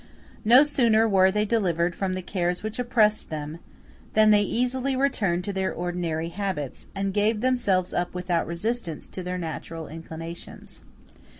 No sooner were they delivered from the cares which oppressed them, than they easily returned to their ordinary habits, and gave themselves up without resistance to their natural inclinations.